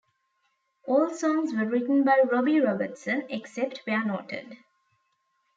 All songs were written by Robbie Robertson, except where noted.